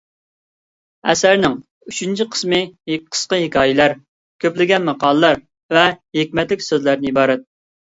ئەسەرنىڭ ئۈچىنچى قىسمى قىسقا ھېكايىلەر، كۆپلىگەن ماقالىلەر ۋە ھېكمەتلىك سۆزلەردىن ئىبارەت.